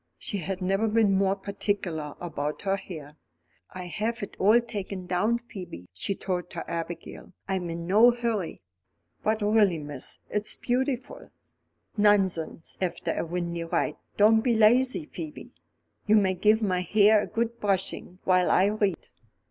She had never been more particular about her hair. "I'll have it all taken down, Phoebe," she told her Abigail; "I'm in no hurry." "But really, miss, it's beautiful " "Nonsense after a windy ride; don't be lazy, Phoebe. You may give my hair a good brushing while I read."